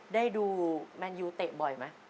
ได้ดูแมนยูเตะบ่อยไหม